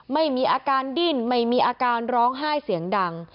ไม่มีอาการดิ้นไม่มีอาการร้องไห้เสียงดัง